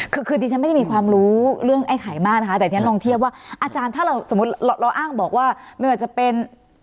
คือคือดิฉันไม่ได้มีความรู้เรื่องไอ้ไข่มากนะคะแต่ทีนี้ลองเทียบว่าอาจารย์ถ้าเราสมมุติเราอ้างบอกว่าไม่ว่าจะเป็น